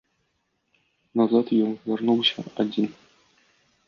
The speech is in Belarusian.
Назад ён вярнуўся адзін.